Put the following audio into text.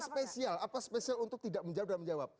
spesial apa spesial untuk tidak menjawab dan menjawab